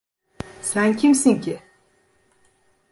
Sen kimsin ki?